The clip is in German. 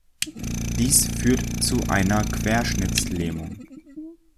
Dies führt zu einer Querschnittlähmung.